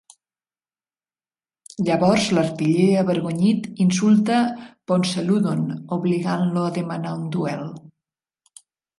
Llavors l'artiller avergonyit insulta Ponceludon, obligant-lo a demanar un duel.